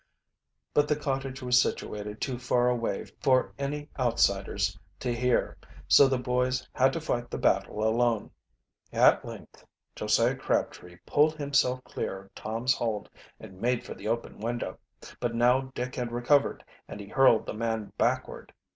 But the cottage was situated too far away for any outsiders to hear, so the boys had to fight the battle alone. At length Josiah Crabtree pulled himself clear of Tom's hold and made for the open window. But now Dick had recovered and he hurled the man backward.